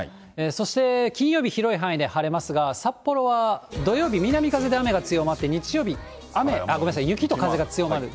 そして金曜日、広い範囲で晴れますが、札幌は土曜日、南風で雨が強まって、日曜日、雨、ごめんなさい、雪と風が強まる。